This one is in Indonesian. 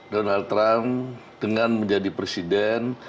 donald trump dengan menjadi presiden